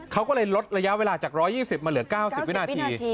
เขาก็เลยลดระยะเวลาจาก๑๒๐มาเหลือ๙๐วินาที